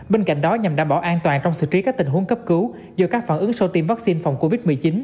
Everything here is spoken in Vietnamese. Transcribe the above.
bên cạnh đó nhằm đảm bảo an toàn trong xử trí các tình huống cấp cứu do các phản ứng sau tiêm vaccine phòng covid một mươi chín